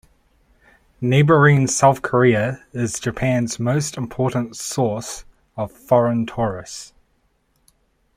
Neighbouring South Korea is Japan's most important source of foreign tourists.